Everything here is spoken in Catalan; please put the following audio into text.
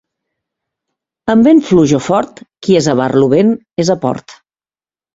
Amb vent fluix o fort, qui és a barlovent és a port.